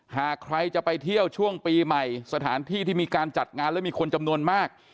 หากใครจะไปเที่ยวช่วงปีใหม่สถานที่ที่มีการจัดงานแล้วมีคนจำนวนมาก